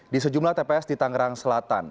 di sejumlah tps di tangerang selatan